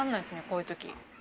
こういう時。